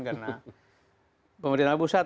karena pemerintah pusat